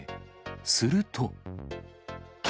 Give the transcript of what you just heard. すると。